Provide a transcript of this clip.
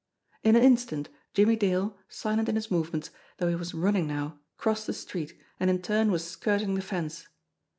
In an instant, Jimmie Dale, silent in his movements, though he was run ning now, crossed the street, and in turn was skirting the fence.